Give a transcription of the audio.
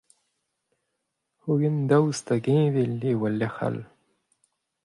Hogen daoust hag heñvel eo e lecʼh all ?